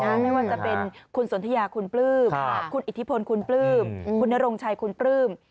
ไม่ว่าจะเป็นคุณสนทิยาคุณปลื้มคุณอิทธิพลคุณปลื้มคุณนรงชัยคุณปลื้ม